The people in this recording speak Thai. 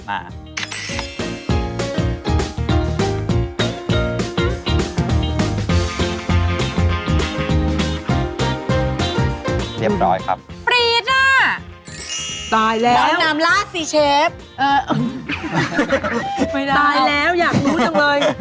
เรียบร้อยครับปรีดน่ะตายแล้วน้ำลาดสิเชฟไม่ได้ตายแล้วอยากรู้จังเลย